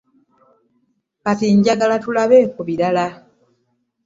Kati njagala tulabe ku bibala.